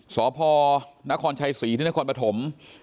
สพนครชัยศรีที่นครปฐม